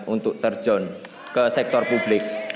untuk terjun ke sektor publik